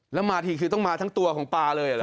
แล้วมาทีคือต้องมาทั้งตัวของปลาเลยเหรอ